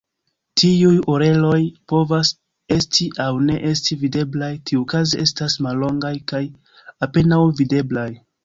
Tiuj "oreloj" povas esti aŭ ne esti videblaj, tiukaze estas mallongaj kaj apenaŭ videblaj.